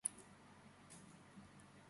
კლუბის საერთო ოთახი სამზარეულოს ახლოსაა.